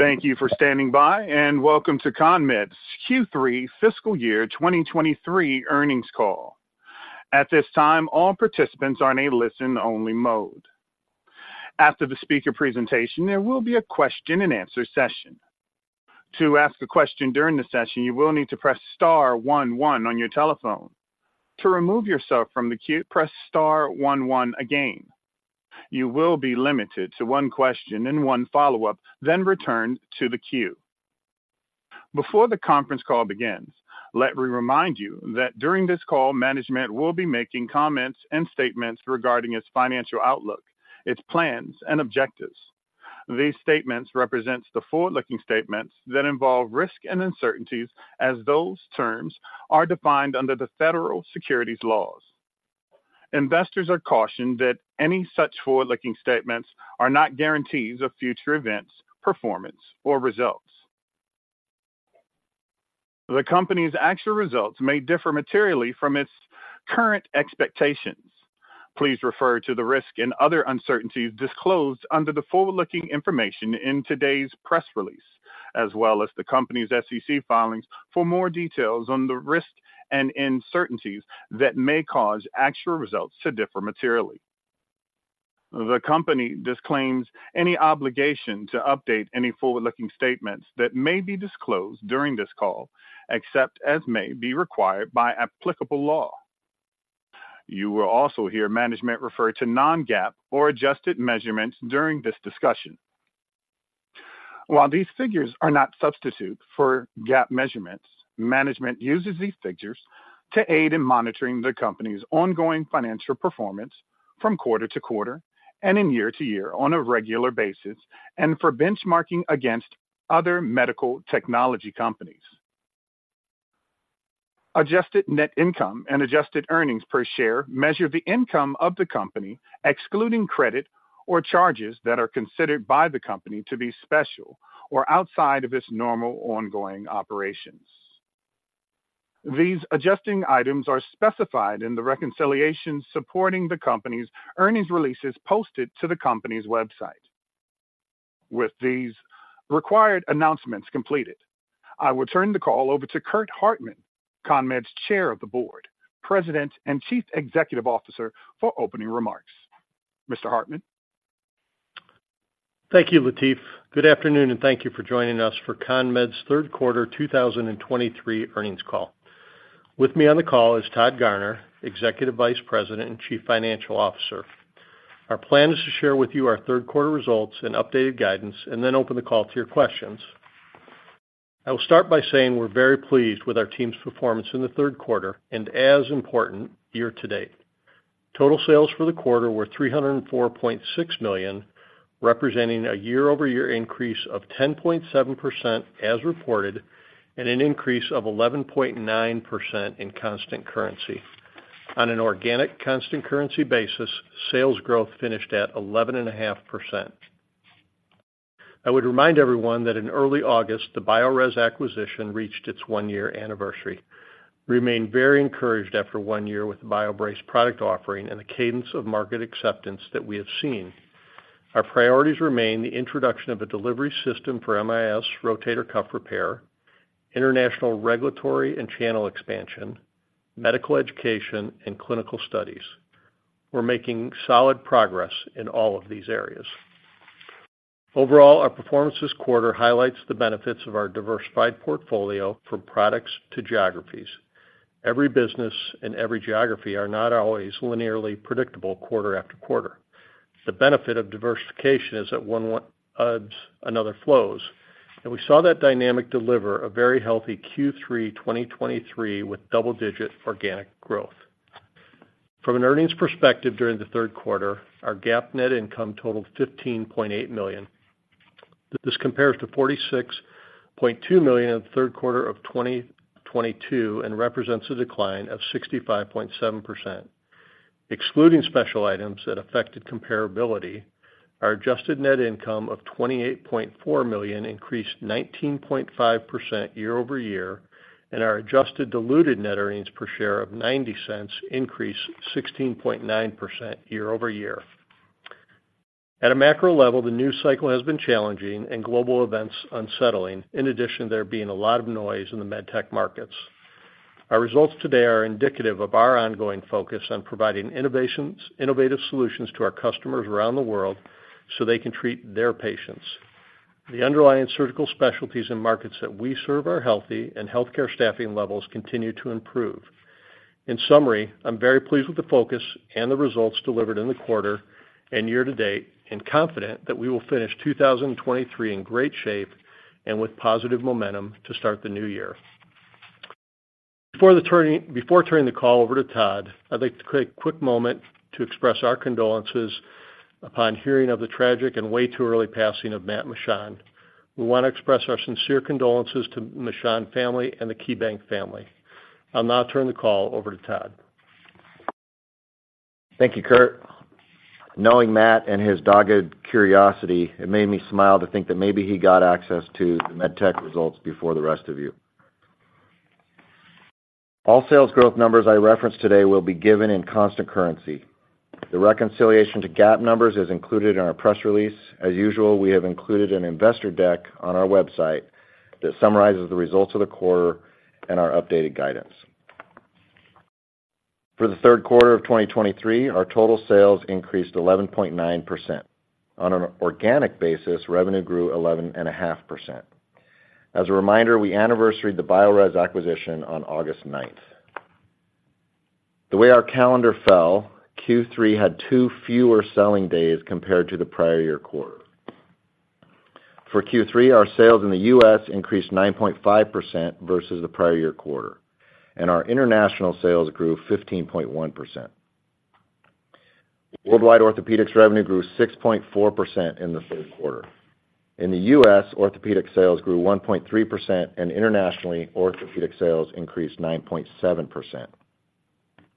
Thank you for standing by, and welcome to CONMED's Q3 Fiscal Year 2023 Earnings Call. At this time, all participants are in a listen-only mode. After the speaker presentation, there will be a question-and-answer session. To ask a question during the session, you will need to press star one one on your telephone. To remove yourself from the queue, press star one one again. You will be limited to one question and one follow-up, then return to the queue. Before the conference call begins, let me remind you that during this call, management will be making comments and statements regarding its financial outlook, its plans, and objectives. These statements represents the forward-looking statements that involve risk and uncertainties as those terms are defined under the federal securities laws. Investors are cautioned that any such forward-looking statements are not guarantees of future events, performance, or results. The company's actual results may differ materially from its current expectations. Please refer to the risk and other uncertainties disclosed under the forward-looking information in today's press release, as well as the company's SEC filings for more details on the risks and uncertainties that may cause actual results to differ materially. The company disclaims any obligation to update any forward-looking statements that may be disclosed during this call, except as may be required by applicable law. You will also hear management refer to non-GAAP or adjusted measurements during this discussion. While these figures are not substitute for GAAP measurements, management uses these figures to aid in monitoring the company's ongoing financial performance from quarter to quarter and in year to year on a regular basis, and for benchmarking against other medical technology companies. Adjusted net income and adjusted earnings per share measure the income of the company, excluding credit or charges that are considered by the company to be special or outside of its normal ongoing operations. These adjusting items are specified in the reconciliation supporting the company's earnings releases posted to the company's website. With these required announcements completed, I will turn the call over to Curt Hartman, CONMED's Chair of the Board, President, and Chief Executive Officer, for opening remarks. Mr. Hartman? Thank you, Latif. Good afternoon, and thank you for joining us for CONMED's Third Quarter 2023 Earnings Call. With me on the call is Todd Garner, Executive Vice President and Chief Financial Officer. Our plan is to share with you our third quarter results and updated guidance, and then open the call to your questions. I will start by saying we're very pleased with our team's performance in the third quarter, and as important, year to date. Total sales for the quarter were $304.6 million, representing a year-over-year increase of 10.7% as reported, and an increase of 11.9% in constant currency. On an organic constant currency basis, sales growth finished at 11.5%. I would remind everyone that in early August, the Biorez acquisition reached its one-year anniversary. Remain very encouraged after one year with the BioBrace product offering and the cadence of market acceptance that we have seen. Our priorities remain the introduction of a delivery system for MIS rotator cuff repair, international regulatory and channel expansion, medical education, and clinical studies. We're making solid progress in all of these areas. Overall, our performance this quarter highlights the benefits of our diversified portfolio from products to geographies. Every business and every geography are not always linearly predictable quarter after quarter. The benefit of diversification is that one another flows, and we saw that dynamic deliver a very healthy Q3 2023 with double-digit organic growth. From an earnings perspective during the third quarter, our GAAP net income totaled $15.8 million. This compares to $46.2 million in the third quarter of 2022 and represents a decline of 65.7%. Excluding special items that affected comparability, our adjusted net income of $28.4 million increased 19.5% year-over-year, and our adjusted diluted net earnings per share of $0.90 increased 16.9% year-over-year. At a macro level, the news cycle has been challenging and global events unsettling. In addition, there have been a lot of noise in the medtech markets. Our results today are indicative of our ongoing focus on providing innovations-- innovative solutions to our customers around the world so they can treat their patients. The underlying surgical specialties and markets that we serve are healthy, and healthcare staffing levels continue to improve. In summary, I'm very pleased with the focus and the results delivered in the quarter and year to date, and confident that we will finish 2023 in great shape and with positive momentum to start the new year. Before turning the call over to Todd, I'd like to take a quick moment to express our condolences upon hearing of the tragic and way too early passing of Matt Mishan. We want to express our sincere condolences to Mishan family and the KeyBanc family. I'll now turn the call over to Todd. Thank you, Curt. Knowing Matt and his dogged curiosity, it made me smile to think that maybe he got access to the med tech results before the rest of you. All sales growth numbers I reference today will be given in constant currency. The reconciliation to GAAP numbers is included in our press release. As usual, we have included an investor deck on our website that summarizes the results of the quarter and our updated guidance. For the third quarter of 2023, our total sales increased 11.9%. On an organic basis, revenue grew 11.5%. As a reminder, we anniversaried the Biorez acquisition on August 9th. The way our calendar fell, Q3 had two fewer selling days compared to the prior year quarter. For Q3, our sales in the US increased 9.5% versus the prior year quarter, and our international sales grew 15.1%. Worldwide orthopedics revenue grew 6.4% in the third quarter. In the US, orthopedic sales grew 1.3%, and internationally, orthopedic sales increased 9.7%.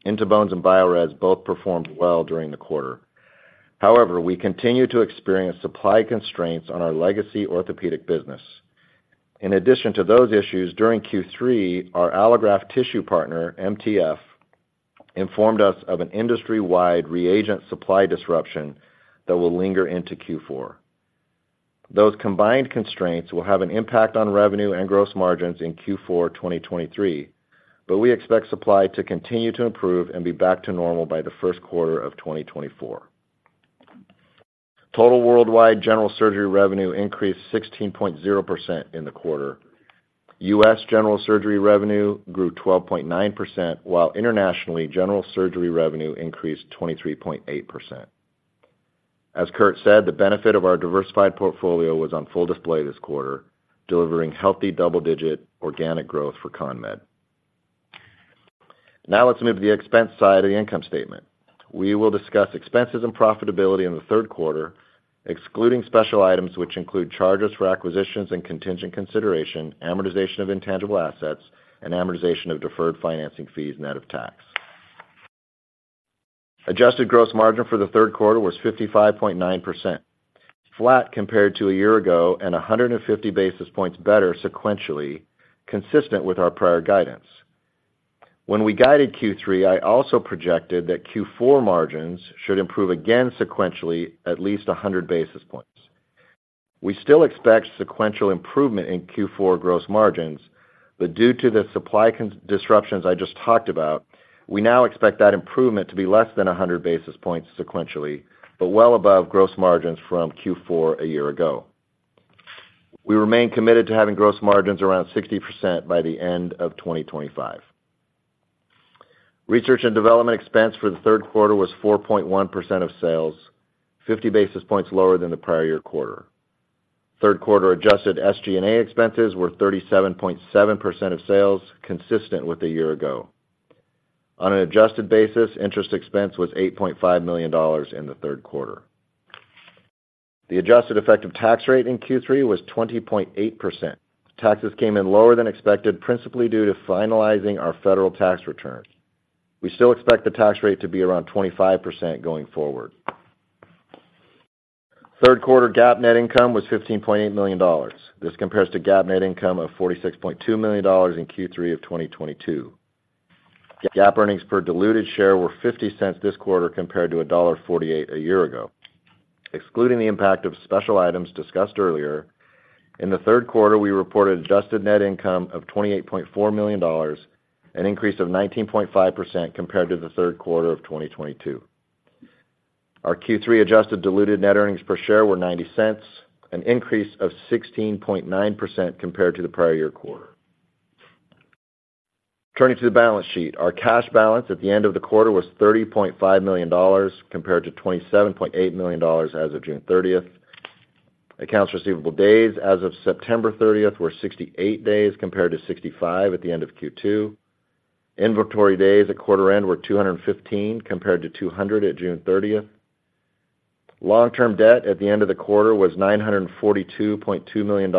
In2Bones and Biorez both performed well during the quarter. However, we continue to experience supply constraints on our legacy orthopedic business. In addition to those issues, during Q3, our allograft tissue partner, MTF, informed us of an industry-wide reagent supply disruption that will linger into Q4. Those combined constraints will have an impact on revenue and gross margins in Q4 2023, but we expect supply to continue to improve and be back to normal by the first quarter of 2024. Total worldwide general surgery revenue increased 16.0% in the quarter. US general surgery revenue grew 12.9%, while internationally, general surgery revenue increased 23.8%. As Curt said, the benefit of our diversified portfolio was on full display this quarter, delivering healthy double-digit organic growth for CONMED. Now let's move to the expense side of the income statement. We will discuss expenses and profitability in the third quarter, excluding special items, which include charges for acquisitions and contingent consideration, amortization of intangible assets, and amortization of deferred financing fees net of tax. Adjusted gross margin for the third quarter was 55.9%, flat compared to a year ago, and 150 basis points better sequentially, consistent with our prior guidance. When we guided Q3, I also projected that Q4 margins should improve again sequentially at least 100 basis points. We still expect sequential improvement in Q4 gross margins, but due to the supply chain disruptions I just talked about, we now expect that improvement to be less than 100 basis points sequentially, but well above gross margins from Q4 a year ago. We remain committed to having gross margins around 60% by the end of 2025. Research and development expense for the third quarter was 4.1% of sales, 50 basis points lower than the prior year quarter. Third quarter adjusted SG&A expenses were 37.7% of sales, consistent with a year ago. On an adjusted basis, interest expense was $8.5 million in the third quarter. The adjusted effective tax rate in Q3 was 20.8%. Taxes came in lower than expected, principally due to finalizing our federal tax returns. We still expect the tax rate to be around 25% going forward. Third quarter GAAP net income was $15.8 million. This compares to GAAP net income of $46.2 million in Q3 of 2022. GAAP earnings per diluted share were $0.50 this quarter, compared to $1.48 a year ago. Excluding the impact of special items discussed earlier, in the third quarter, we reported adjusted net income of $28.4 million, an increase of 19.5% compared to the third quarter of 2022. Our Q3 adjusted diluted net earnings per share were $0.90, an increase of 16.9% compared to the prior year quarter. Turning to the balance sheet, our cash balance at the end of the quarter was $30.5 million, compared to $27.8 million as of June 30th. Accounts receivable days as of September 30th were 68 days, compared to 65 at the end of Q2. Inventory days at quarter end were 215, compared to 200 at June 30th. Long-term debt at the end of the quarter was $942.2 million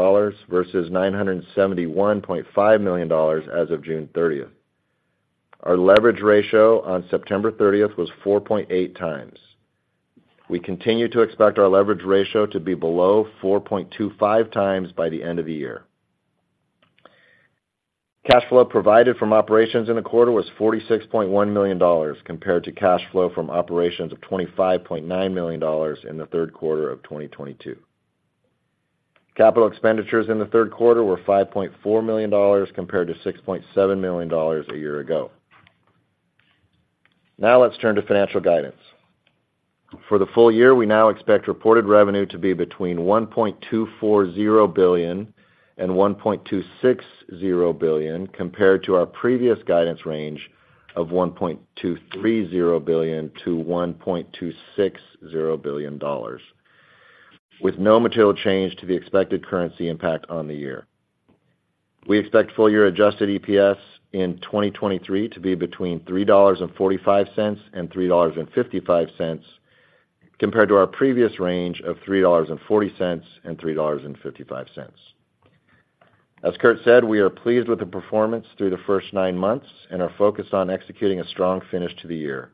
versus $971.5 million as of June 30th. Our leverage ratio on September 30th was 4.8 times. We continue to expect our leverage ratio to be below 4.25 times by the end of the year. Cash flow provided from operations in the quarter was $46.1 million, compared to cash flow from operations of $25.9 million in the third quarter of 2022. Capital expenditures in the third quarter were $5.4 million, compared to $6.7 million a year ago. Now let's turn to financial guidance. For the full year, we now expect reported revenue to be between $1.240 billion and $1.260 billion, compared to our previous guidance range of $1.230 billion to $1.260 billion, with no material change to the expected currency impact on the year. We expect full year adjusted EPS in 2023 to be between $3.45 and $3.55, compared to our previous range of $3.40 and $3.55. As Curt said, we are pleased with the performance through the first nine months and are focused on executing a strong finish to the year.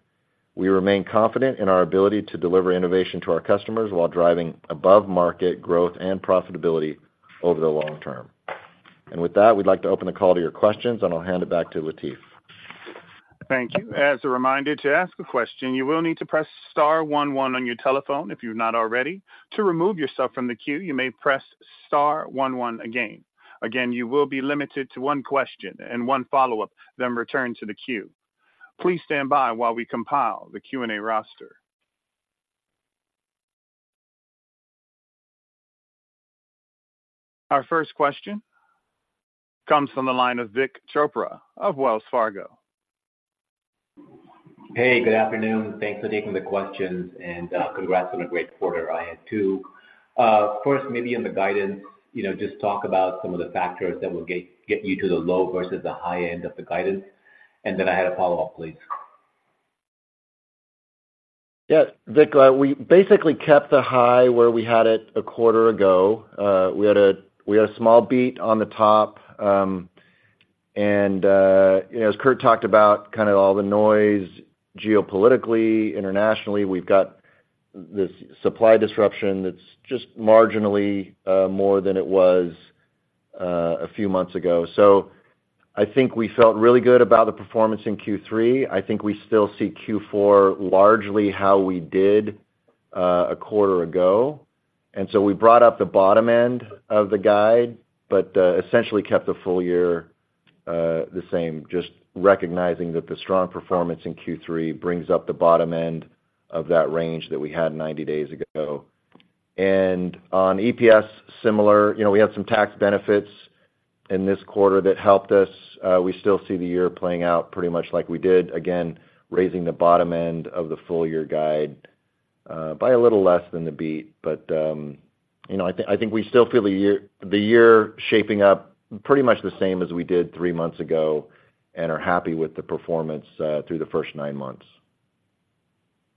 We remain confident in our ability to deliver innovation to our customers while driving above-market growth and profitability over the long term. And with that, we'd like to open the call to your questions, and I'll hand it back to Latif. Thank you. As a reminder, to ask a question, you will need to press star one one on your telephone if you've not already. To remove yourself from the queue, you may press star one one again. Again, you will be limited to one question and one follow-up, then return to the queue. Please stand by while we compile the Q&A roster. Our first question comes from the line of Vik Chopra of Wells Fargo. Hey, good afternoon. Thanks for taking the questions, and congrats on a great quarter, I had, too. First, maybe in the guidance, you know, just talk about some of the factors that will get you to the low versus the high end of the guidance. Then I had a follow-up, please. Yeah, Vik, we basically kept the high where we had it a quarter ago. We had a small beat on the top. And, you know, as Curt talked about, kind of all the noise geopolitically, internationally, we've got this supply disruption that's just marginally more than it was a few months ago. So I think we felt really good about the performance in Q3. I think we still see Q4 largely how we did a quarter ago. And so we brought up the bottom end of the guide, but essentially kept the full year the same, just recognizing that the strong performance in Q3 brings up the bottom end of that range that we had 90 days ago. And on EPS, similar, you know, we had some tax benefits in this quarter that helped us. We still see the year playing out pretty much like we did, again, raising the bottom end of the full year guide by a little less than the beat. You know, I think we still feel the year shaping up pretty much the same as we did three months ago and are happy with the performance through the first nine months.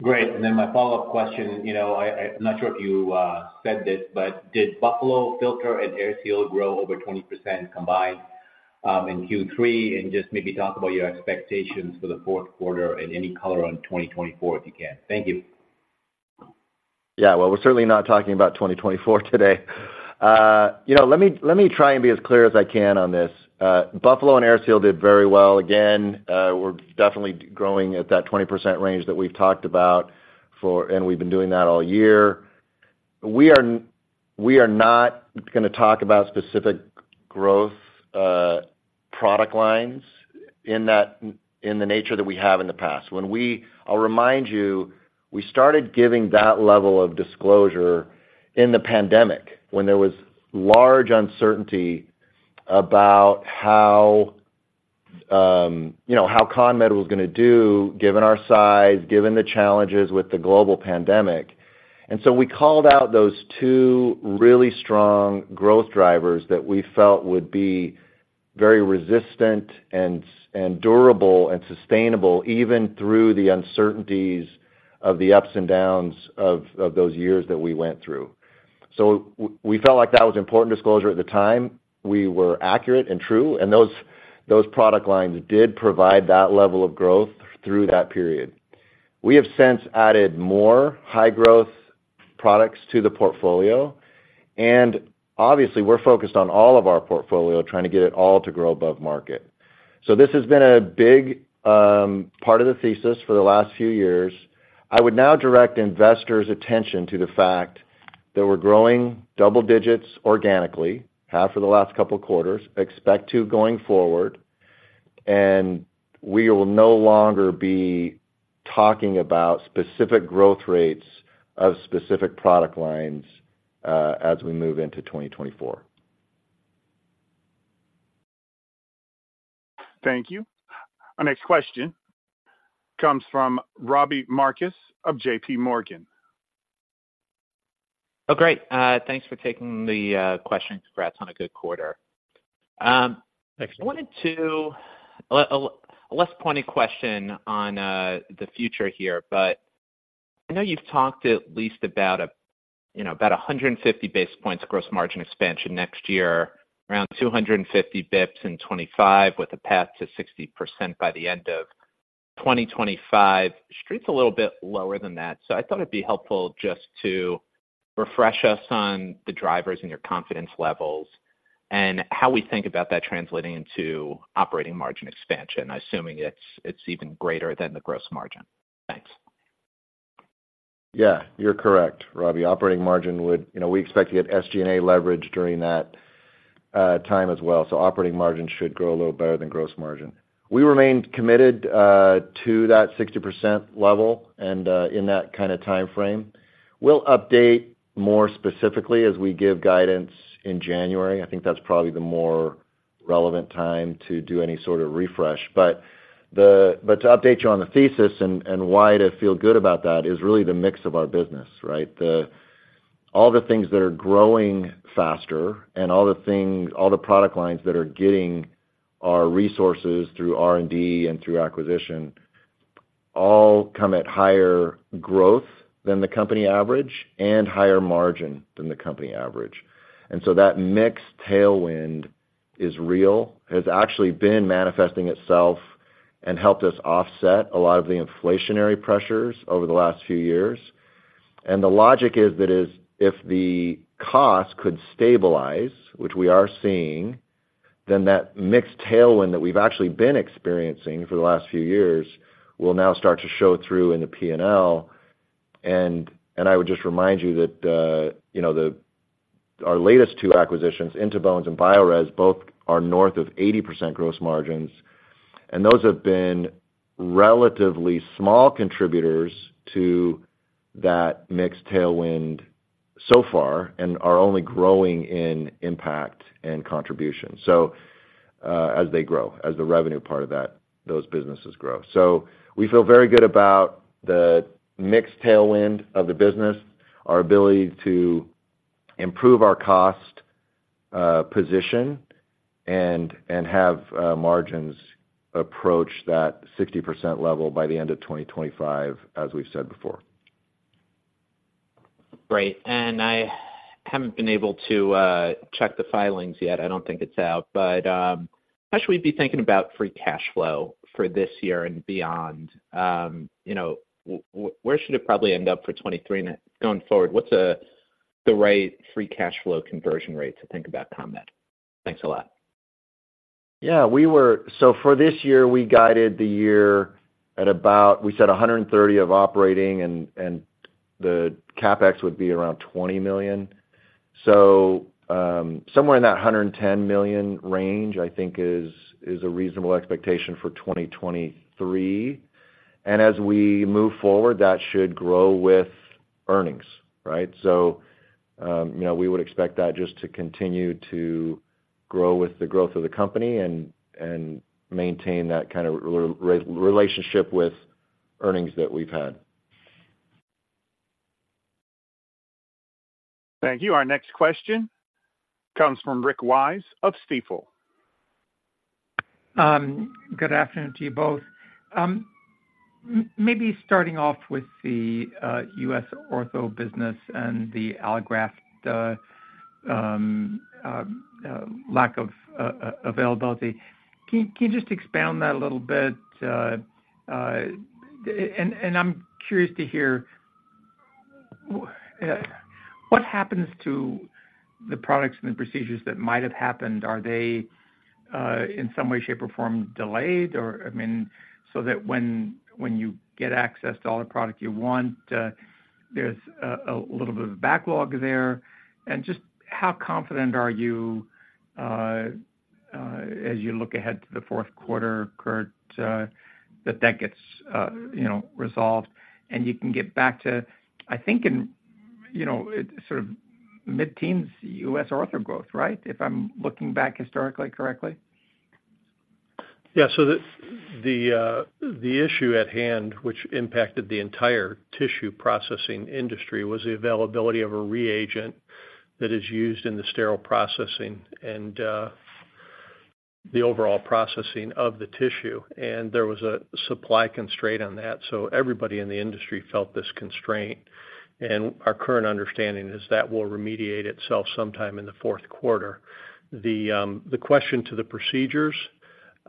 Great. And then my follow-up question, you know, I'm not sure if you said this, but did Buffalo Filter and AirSeal grow over 20% combined in Q3? And just maybe talk about your expectations for the fourth quarter and any color on 2024, if you can. Thank you. Yeah, well, we're certainly not talking about 2024 today. You know, let me, let me try and be as clear as I can on this. Buffalo and AirSeal did very well. Again, we're definitely growing at that 20% range that we've talked about for—and we've been doing that all year. We are not gonna talk about specific growth, product lines in that—in the nature that we have in the past. When we... I'll remind you, we started giving that level of disclosure in the pandemic, when there was large uncertainty about how, you know, how CONMED was gonna do, given our size, given the challenges with the global pandemic. And so we called out those two really strong growth drivers that we felt would be very resistant and durable and sustainable, even through the uncertainties of the ups and downs of those years that we went through. So we felt like that was important disclosure at the time. We were accurate and true, and those product lines did provide that level of growth through that period. We have since added more high-growth products to the portfolio, and obviously, we're focused on all of our portfolio, trying to get it all to grow above market. So this has been a big part of the thesis for the last few years. I would now direct investors' attention to the fact that we're growing double digits organically, have for the last couple of quarters, expect to going forward, and we will no longer be talking about specific growth rates of specific product lines, as we move into 2024. Thank you. Our next question comes from Robbie Marcus of JPMorgan. Oh, great. Thanks for taking the question. Congrats on a good quarter. Thanks. I wanted to ask a less pointy question on the future here, but I know you've talked at least about 150 basis points gross margin expansion next year, around 250 basis points in 2025, with a path to 60% by the end of 2025. Street's a little bit lower than that, so I thought it'd be helpful just to refresh us on the drivers and your confidence levels, and how we think about that translating into operating margin expansion, assuming it's even greater than the gross margin. Thanks. Yeah, you're correct, Robbie. Operating margin would... You know, we expect to get SG&A leverage during that time as well, so operating margin should grow a little better than gross margin. We remain committed to that 60% level and in that kind of time frame. We'll update more specifically as we give guidance in January. I think that's probably the more relevant time to do any sort of refresh. But to update you on the thesis and why to feel good about that is really the mix of our business, right? All the things that are growing faster and all the product lines that are getting our resources through R&D and through acquisition all come at higher growth than the company average and higher margin than the company average. And so that mix tailwind... is real, has actually been manifesting itself and helped us offset a lot of the inflationary pressures over the last few years. And the logic is that is, if the cost could stabilize, which we are seeing, then that mixed tailwind that we've actually been experiencing for the last few years, will now start to show through in the P&L. And I would just remind you that, you know, our latest two acquisitions, In2Bones and Biorez, both are north of 80% gross margins, and those have been relatively small contributors to that mixed tailwind so far, and are only growing in impact and contribution. So, as they grow, as the revenue part of that, those businesses grow. We feel very good about the mixed tailwind of the business, our ability to improve our cost position and have margins approach that 60% level by the end of 2025, as we've said before. Great. And I haven't been able to check the filings yet. I don't think it's out. But, how should we be thinking about free cash flow for this year and beyond? You know, where should it probably end up for 2023, and then going forward, what's the right free cash flow conversion rate to think about CONMED? Thanks a lot. Yeah, we were. So for this year, we guided the year at about, we said, 130 of operating, and the CapEx would be around $20 million. So, somewhere in that $110 million range, I think is a reasonable expectation for 2023. And as we move forward, that should grow with earnings, right? So, you know, we would expect that just to continue to grow with the growth of the company and maintain that kind of relationship with earnings that we've had. Thank you. Our next question comes from Rick Wise of Stifel. Good afternoon to you both. Maybe starting off with the US ortho business and the allograft lack of availability. Can you just expound on that a little bit? And I'm curious to hear what happens to the products and the procedures that might have happened? Are they in some way, shape, or form, delayed? Or, I mean, so that when you get access to all the product you want, there's a little bit of a backlog there. And just how confident are you as you look ahead to the fourth quarter, Curt, that that gets, you know, resolved, and you can get back to, I think, you know, sort of mid-teens US ortho growth, right? If I'm looking back historically, correctly. Yeah. So the issue at hand, which impacted the entire tissue processing industry, was the availability of a reagent that is used in the sterile processing and the overall processing of the tissue. And there was a supply constraint on that, so everybody in the industry felt this constraint. And our current understanding is that will remediate itself sometime in the fourth quarter. The question to the procedures,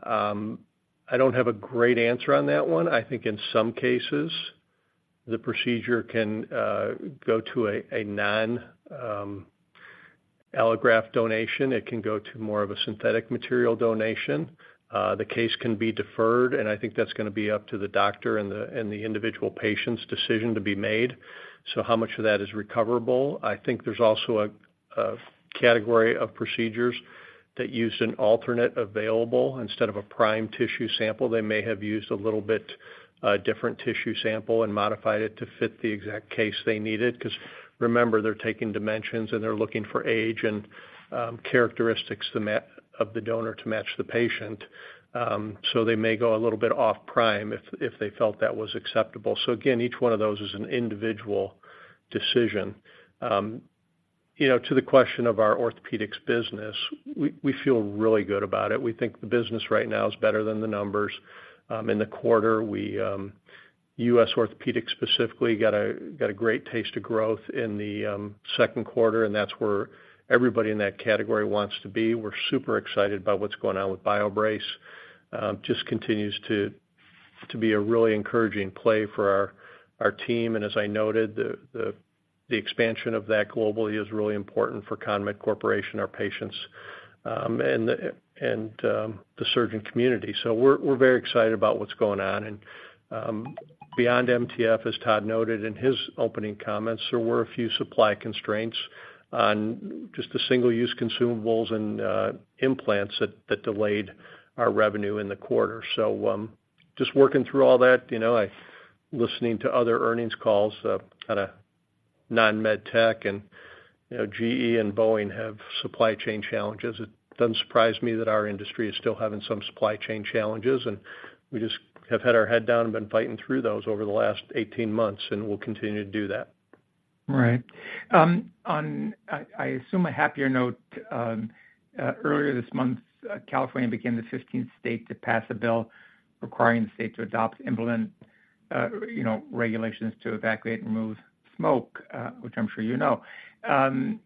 I don't have a great answer on that one. I think in some cases, the procedure can go to a non-allograft donation. It can go to more of a synthetic material donation. The case can be deferred, and I think that's gonna be up to the doctor and the individual patient's decision to be made. So how much of that is recoverable? I think there's also a category of procedures that use an alternate available instead of a prime tissue sample. They may have used a little bit different tissue sample and modified it to fit the exact case they needed, because remember, they're taking dimensions, and they're looking for age and characteristics to match of the donor to match the patient. So they may go a little bit off prime if they felt that was acceptable. So again, each one of those is an individual decision. You know, to the question of our orthopedics business, we feel really good about it. We think the business right now is better than the numbers. In the quarter, we US orthopedics specifically got a great taste of growth in the second quarter, and that's where everybody in that category wants to be. We're super excited about what's going on with BioBrace. Just continues to be a really encouraging play for our team. And as I noted, the expansion of that globally is really important for CONMED Corporation, our patients, and the surgeon community. So we're very excited about what's going on. And beyond MTF, as Todd noted in his opening comments, there were a few supply constraints on just the single-use consumables and implants that delayed our revenue in the quarter. So just working through all that, you know, listening to other earnings calls at a non-med tech, and you know, GE and Boeing have supply chain challenges. It doesn't surprise me that our industry is still having some supply chain challenges, and we just have had our head down and been fighting through those over the last 18 months, and we'll continue to do that. Right. On, I assume a happier note, earlier this month, California became the 15th state to pass a bill requiring the state to adopt, implement, you know, regulations to evacuate and remove smoke, which I'm sure you know. And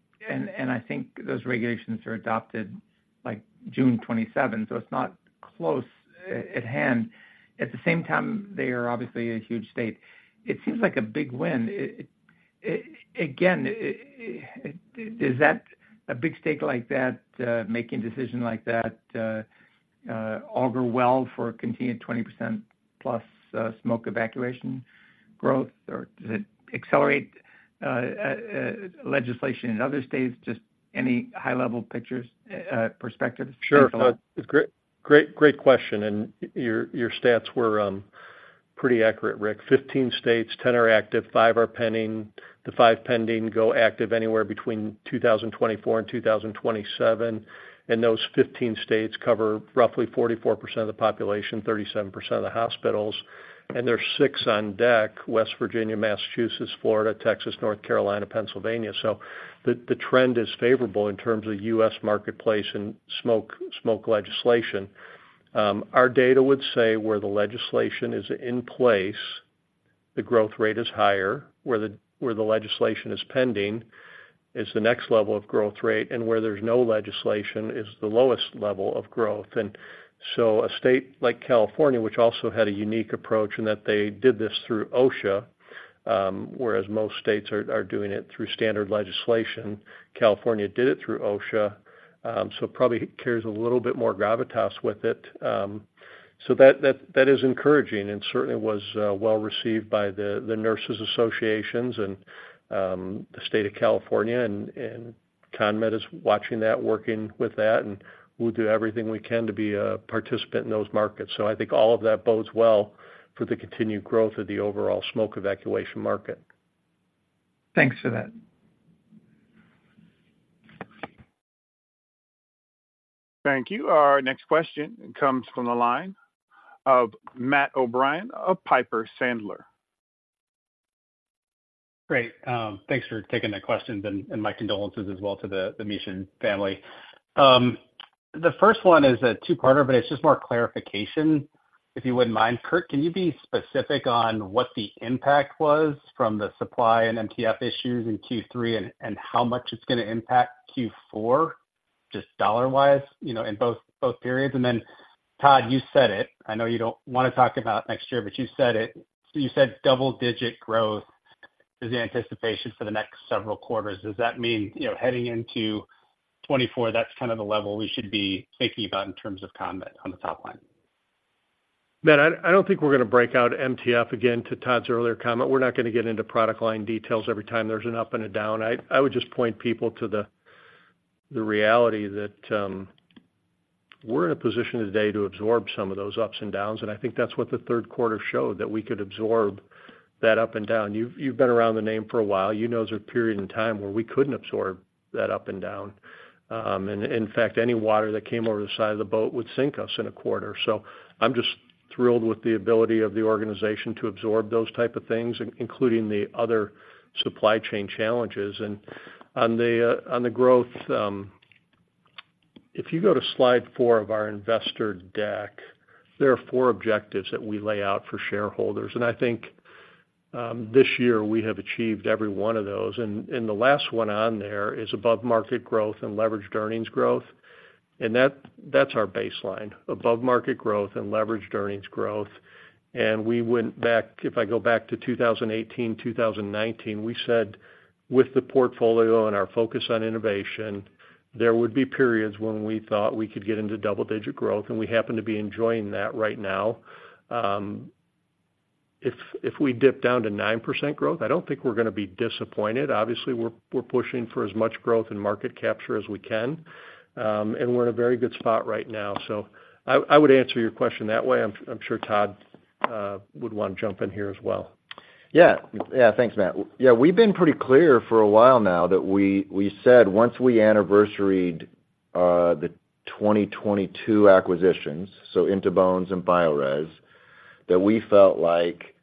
I think those regulations are adopted like June 27th, so it's not close at hand. At the same time, they are obviously a huge state. It seems like a big win. It again does that, a big state like that making a decision like that augur well for continued 20%+ smoke evacuation growth, or does it accelerate legislation in other states? Just any high-level pictures, perspectives? Sure. Great, great, great question, and your, your stats were pretty accurate, Rick. 15 states, 10 are active, five are pending. The five pending go active anywhere between 2024 and 2027, and those 15 states cover roughly 44% of the population, 37% of the hospitals, and there's six on deck: West Virginia, Massachusetts, Florida, Texas, North Carolina, Pennsylvania. So the trend is favorable in terms of US marketplace and smoke legislation. Our data would say where the legislation is in place, the growth rate is higher. Where the legislation is pending, is the next level of growth rate, and where there's no legislation is the lowest level of growth. And so a state like California, which also had a unique approach in that they did this through OSHA, whereas most states are doing it through standard legislation. California did it through OSHA, so it probably carries a little bit more gravitas with it. So that is encouraging and certainly was well-received by the nurses' associations and the state of California, and CONMED is watching that, working with that, and we'll do everything we can to be a participant in those markets. So I think all of that bodes well for the continued growth of the overall smoke evacuation market. Thanks for that. Thank you. Our next question comes from the line of Matt O'Brien of Piper Sandler. Great. Thanks for taking the questions, and my condolences as well to the Mishan family. The first one is a two-parter, but it's just more clarification, if you wouldn't mind. Curt, can you be specific on what the impact was from the supply and MTF issues in Q3 and how much it's going to impact Q4, just dollar-wise, you know, in both periods? And then, Todd, you said it, I know you don't want to talk about next year, but you said it. You said double-digit growth is the anticipation for the next several quarters. Does that mean, you know, heading into 2024, that's kind of the level we should be thinking about in terms of CONMED on the top line? Matt, I don't think we're going to break out MTF again to Todd's earlier comment. We're not going to get into product line details every time there's an up and a down. I would just point people to the reality that we're in a position today to absorb some of those ups and downs, and I think that's what the third quarter showed, that we could absorb that up and down. You've been around the name for a while. You know there's a period in time where we couldn't absorb that up and down. And in fact, any water that came over the side of the boat would sink us in a quarter. So I'm just thrilled with the ability of the organization to absorb those type of things, including the other supply chain challenges. And on the, on the growth, if you go to slide four of our investor deck, there are four objectives that we lay out for shareholders, and I think, this year, we have achieved every one of those. And the last one on there is above-market growth and leveraged earnings growth, and that's our baseline, above-market growth and leveraged earnings growth. And we went back. If I go back to 2018, 2019, we said, with the portfolio and our focus on innovation, there would be periods when we thought we could get into double-digit growth, and we happen to be enjoying that right now. If we dip down to 9% growth, I don't think we're going to be disappointed. Obviously, we're pushing for as much growth and market capture as we can, and we're in a very good spot right now. So I would answer your question that way. I'm sure Todd would want to jump in here as well. Yeah. Yeah, thanks, Matt. Yeah, we've been pretty clear for a while now that we, we said once we anniversaried the 2022 acquisitions, so In2Bones and Biorez, that we felt like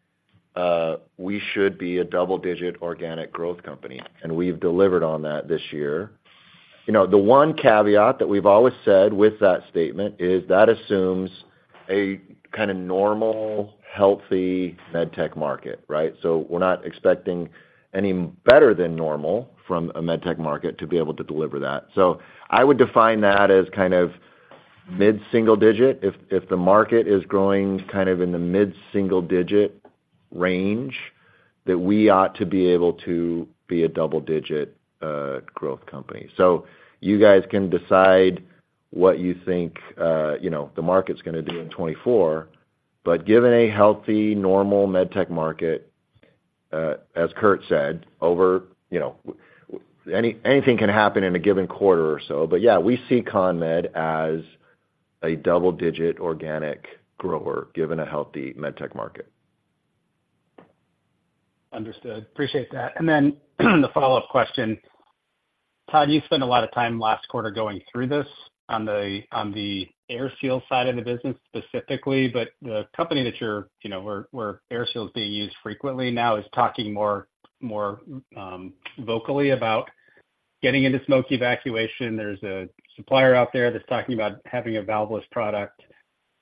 we should be a double-digit organic growth company, and we've delivered on that this year. You know, the one caveat that we've always said with that statement is that assumes a kind of normal, healthy med-tech market, right? So we're not expecting any better than normal from a med-tech market to be able to deliver that. So I would define that as kind of mid-single-digit. If, if the market is growing kind of in the mid-single-digit range, that we ought to be able to be a double-digit growth company. So you guys can decide what you think, you know, the market's going to do in 2024. But given a healthy, normal med tech market, as Curt said, you know, anything can happen in a given quarter or so, but yeah, we see CONMED as a double-digit organic grower, given a healthy med tech market. Understood. Appreciate that. And then, the follow-up question. Todd, you spent a lot of time last quarter going through this on the AirSeal side of the business specifically, but the company that you're, you know, where AirSeal is being used frequently now is talking more vocally about getting into smoke evacuation. There's a supplier out there that's talking about having a valveless product.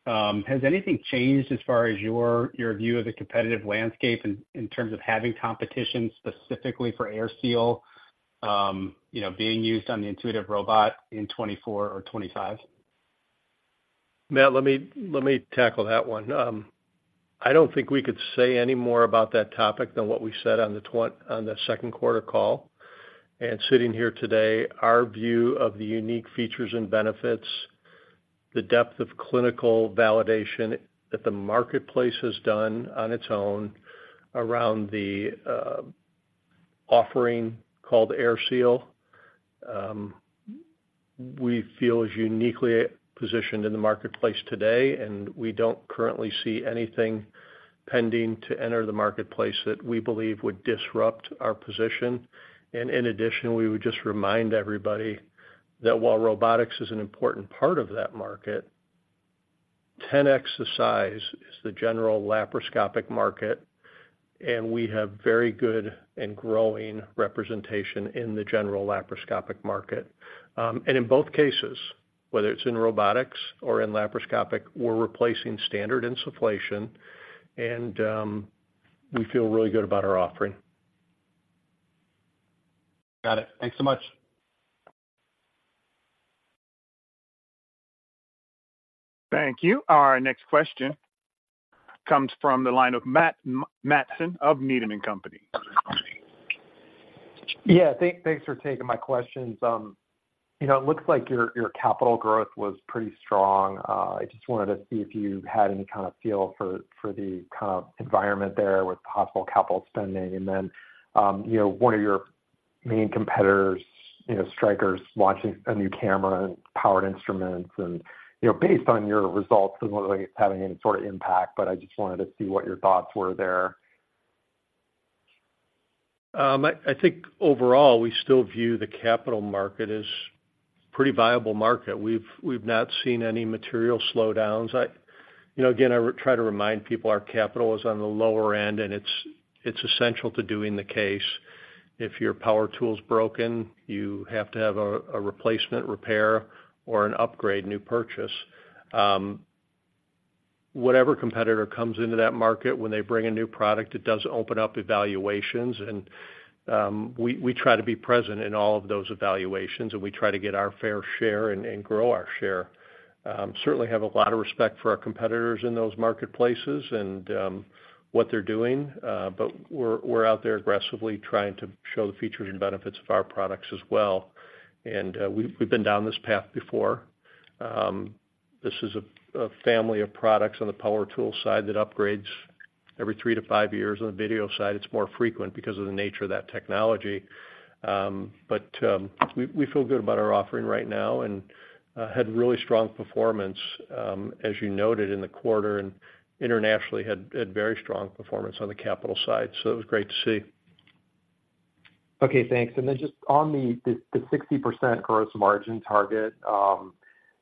Has anything changed as far as your view of the competitive landscape in terms of having competition specifically for AirSeal, you know, being used on the Intuitive robot in 2024 or 2025? Matt, let me, let me tackle that one. I don't think we could say any more about that topic than what we said on the second quarter call. And sitting here today, our view of the unique features and benefits, the depth of clinical validation that the marketplace has done on its own around the offering called AirSeal, we feel is uniquely positioned in the marketplace today, and we don't currently see anything pending to enter the marketplace that we believe would disrupt our position. And in addition, we would just remind everybody that while robotics is an important part of that market, 10x the size is the general laparoscopic market, and we have very good and growing representation in the general laparoscopic market. And in both cases, whether it's in robotics or in laparoscopic, we're replacing standard insufflation, and we feel really good about our offering. Got it. Thanks so much. Thank you. Our next question comes from the line of Mike Matson of Needham and Company. Yeah, thanks for taking my questions. You know, it looks like your capital growth was pretty strong. I just wanted to see if you had any kind of feel for the kind of environment there with possible capital spending. And then, you know, one of your main competitors, Stryker, is launching a new camera and powered instruments, and based on your results, it doesn't look like it's having any sort of impact, but I just wanted to see what your thoughts were there. I think overall, we still view the capital market as pretty viable market. We've not seen any material slowdowns. You know, again, I try to remind people our capital is on the lower end, and it's essential to doing the case. If your power tool's broken, you have to have a replacement repair or an upgrade, new purchase. Whatever competitor comes into that market, when they bring a new product, it does open up evaluations, and we try to be present in all of those evaluations, and we try to get our fair share and grow our share. Certainly have a lot of respect for our competitors in those marketplaces and what they're doing, but we're out there aggressively trying to show the features and benefits of our products as well. We've been down this path before. This is a family of products on the power tool side that upgrades every three to five years. On the video side, it's more frequent because of the nature of that technology. But we feel good about our offering right now and had really strong performance, as you noted in the quarter, and internationally had very strong performance on the capital side, so it was great to see. Okay, thanks. And then just on the 60% gross margin target,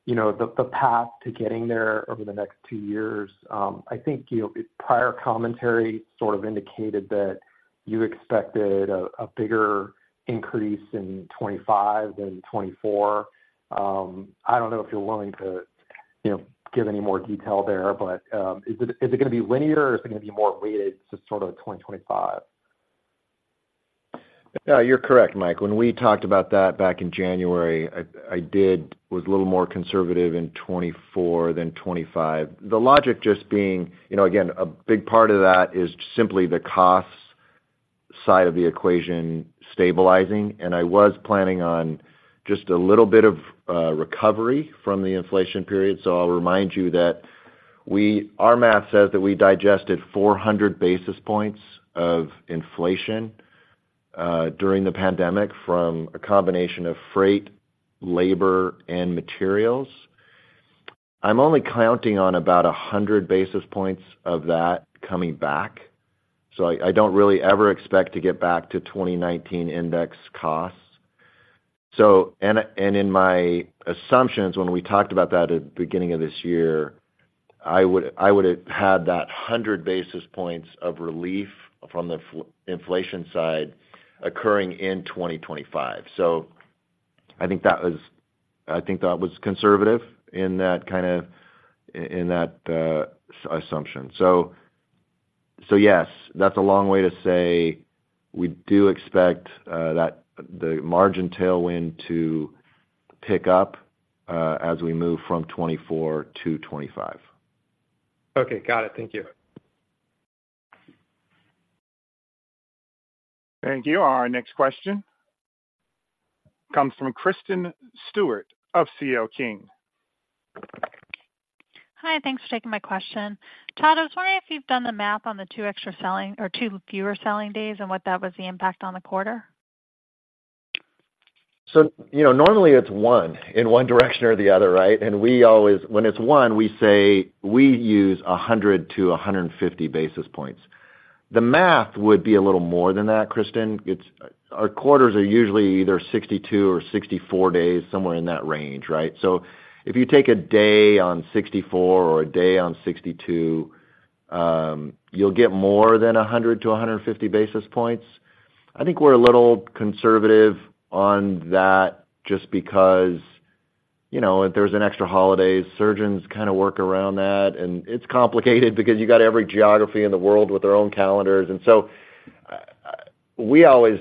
you know, the path to getting there over the next two years, I think, you know, prior commentary sort of indicated that you expected a bigger increase in 2025 than 2024. I don't know if you're willing to you know, give any more detail there, but is it going to be linear, or is it going to be more weighted to 2025? Yeah, you're correct, Mike. When we talked about that back in January, I was a little more conservative in 2024 than 2025. The logic just being, you know, again, a big part of that is simply the costs side of the equation stabilizing, and I was planning on just a little bit of recovery from the inflation period. So I'll remind you that we, our math says that we digested 400 basis points of inflation during the pandemic from a combination of freight, labor, and materials. I'm only counting on about 100 basis points of that coming back, so I don't really ever expect to get back to 2019 index costs. So, in my assumptions, when we talked about that at the beginning of this year, I would, I would've had that 100 basis points of relief from the inflation side occurring in 2025. So I think that was. I think that was conservative in that kind of, in that assumption. So, yes, that's a long way to say we do expect that the margin tailwind to pick up as we move from 2024 to 2025. Okay. Got it. Thank you. Thank you. Our next question comes from Kristen Stewart of CL King. Hi, thanks for taking my question. Todd, I was wondering if you've done the math on the two extra selling or two fewer selling days and what that was the impact on the quarter? So, you know, normally it's one, in one direction or the other, right? And we always, when it's one, we say we use 100-150 basis points. The math would be a little more than that, Kristen. It's, our quarters are usually either 62 or 64 days, somewhere in that range, right? So if you take a day on 64 or a day on 62- You'll get more than 100-150 basis points. I think we're a little conservative on that just because, you know, if there's an extra holiday, surgeons kind of work around that, and it's complicated because you got every geography in the world with their own calendars. And so, we always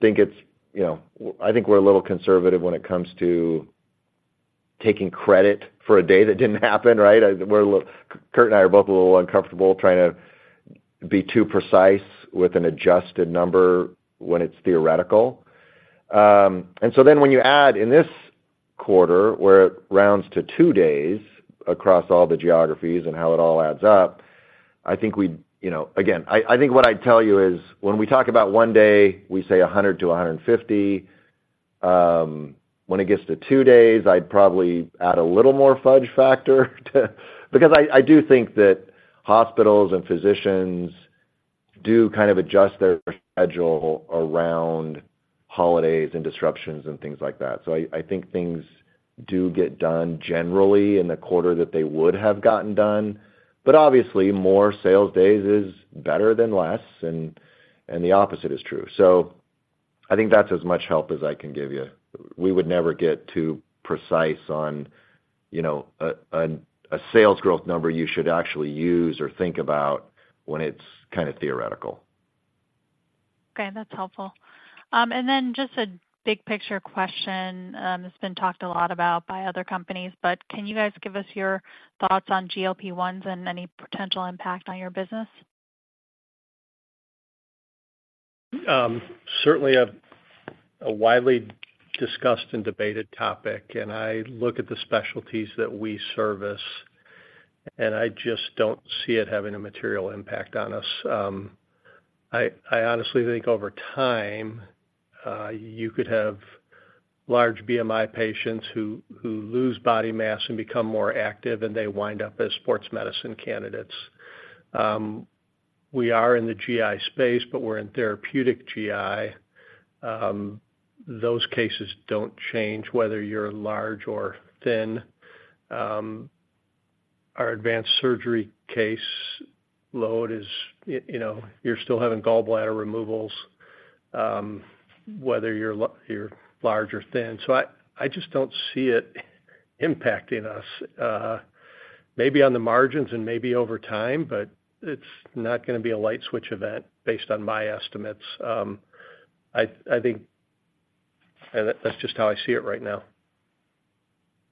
think it's, you know, I think we're a little conservative when it comes to taking credit for a day that didn't happen, right? We're a little- Curt and I are both a little uncomfortable trying to be too precise with an adjusted number when it's theoretical. And so then when you add in this quarter, where it rounds to two days across all the geographies and how it all adds up, I think we, you know... Again, I think what I'd tell you is, when we talk about one day, we say 100 to 150. When it gets to two days, I'd probably add a little more fudge factor to... Because I do think that hospitals and physicians do kind of adjust their schedule around holidays and disruptions and things like that. So I think things do get done generally in the quarter that they would have gotten done. But obviously, more sales days is better than less, and the opposite is true. So I think that's as much help as I can give you. We would never get too precise on, you know, a sales growth number you should actually use or think about when it's kind of theoretical. Okay, that's helpful. And then just a big picture question, that's been talked a lot about by other companies, but can you guys give us your thoughts on GLP-1s and any potential impact on your business? Certainly a widely discussed and debated topic, and I look at the specialties that we service, and I just don't see it having a material impact on us. I honestly think over time, you could have large BMI patients who lose body mass and become more active, and they wind up as sports medicine candidates. We are in the GI space, but we're in therapeutic GI. Those cases don't change whether you're large or thin. Our advanced surgery case load is, you know, you're still having gallbladder removals, whether you're large or thin. So I just don't see it impacting us, maybe on the margins and maybe over time, but it's not gonna be a light switch event based on my estimates. I think... That's just how I see it right now.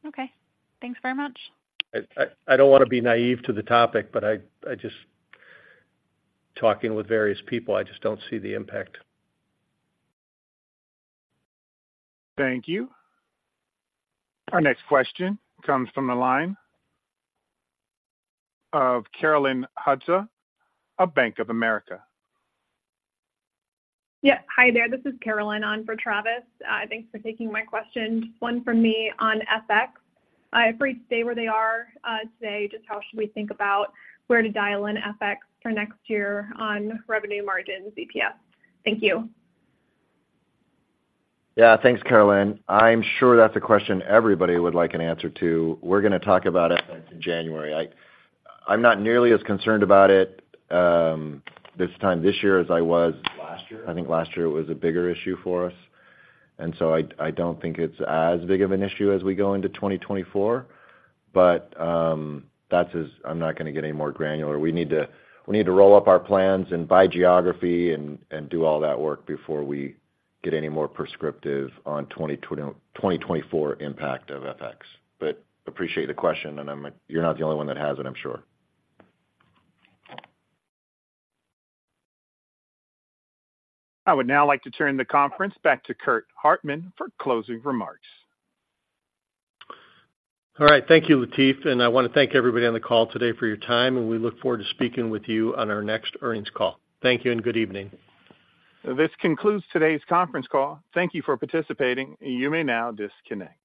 Okay, thanks very much. I don't want to be naive to the topic, but I just... Talking with various people, I just don't see the impact. Thank you. Our next question comes from the line of Carolyn Hudsa of Bank of America. Yeah. Hi there. This is Carolyn on for Travis. Thanks for taking my question. One from me on FX. For each day where they are today, just how should we think about where to dial in FX for next year on revenue margins EPS? Thank you. Yeah, thanks, Carolyn. I'm sure that's a question everybody would like an answer to. We're gonna talk about FX in January. I, I'm not nearly as concerned about it this time this year as I was last year. I think last year it was a bigger issue for us, and so I, I don't think it's as big of an issue as we go into 2024. But that is. I'm not gonna get any more granular. We need to, we need to roll up our plans and by geography and, and do all that work before we get any more prescriptive on 2024 impact of FX. But appreciate the question, and I'm, you're not the only one that has it, I'm sure. I would now like to turn the conference back to Curt Hartman for closing remarks. All right. Thank you, Latif, and I want to thank everybody on the call today for your time, and we look forward to speaking with you on our next earnings call. Thank you and good evening. This concludes today's conference call. Thank you for participating, and you may now disconnect.